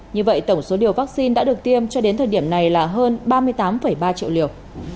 như vậy tổng số liều vaccine đã được tiêm cho đến thời điểm này là hơn ba mươi tám ba triệu liều